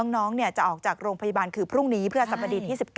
น้องจะออกจากโรงพยาบาลคือพรุ่งนี้เพื่อสัปดีที่๑๙